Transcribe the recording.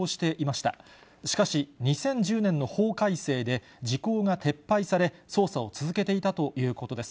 しかし、２０１０年の法改正で、時効が撤廃され、捜査を続けていたということです。